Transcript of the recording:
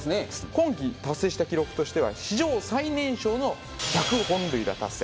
今季達成した記録としては史上最年少の１００本塁打達成。